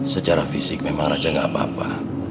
secara fisik memang raja gak apa apa